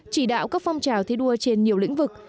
chỉ đạo các phong trào thi đua trên nhiều lĩnh vực